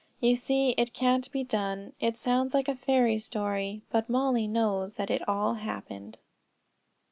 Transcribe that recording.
You see it can't be done; it sounds like a fairy story, but Mollie knows that it all happened.